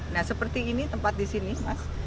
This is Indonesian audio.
nah seperti ini tempat di sini mas